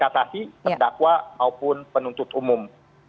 kasasi terdakwa maupun penuntut umum